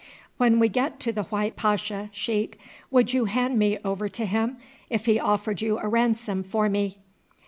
"When we get to the white pasha, sheik, would you hand me over to him if he offered you a ransom for me?"